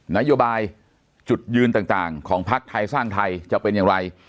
นโยบายจุดยืนต่างของภักดิ์ไทยสร้างไทยจะเป็นอย่างไร